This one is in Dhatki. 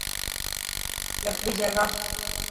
لڪڙي جگاهه.